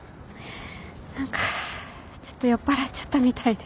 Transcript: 何かちょっと酔っぱらっちゃったみたいで。